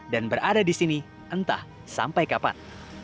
dan berada di sini entah sampai kapan